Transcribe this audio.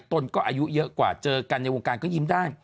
ตนก็อายุเยอะกว่าเจอกันในวงการก็ยิ้มได้